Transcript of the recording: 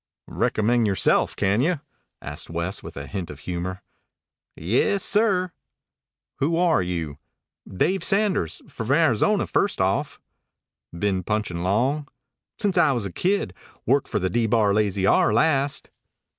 "Recommend yoreself, can you?" asked West with a hint of humor. "Yes, sir." "Who are you?" "Dave Sanders from Arizona, first off." "Been punchin' long?" "Since I was a kid. Worked for the D Bar Lazy R last."